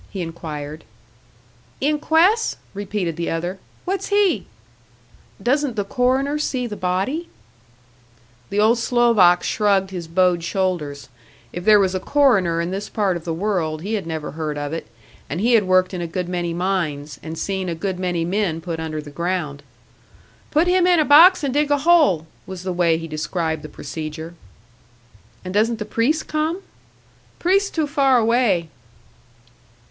he inquired. "Inques'?" repeated the other. "What's he?" "Doesn't the coroner see the body?" The old Slovak shrugged his bowed shoulders; if there was a coroner in this part of the world, he had never heard of it; and he had worked in a good many mines, and seen a good many men put under the ground. "Put him in a box and dig a hole," was the way he described the procedure. "And doesn't the priest come?" "Priest too far away."